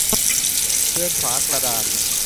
เรือนฝากระดาน